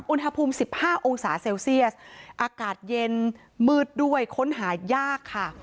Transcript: อุณหภูมิ๑๕องศาเซลเซียสอากาศเย็นมืดด้วยค้นหายากค่ะ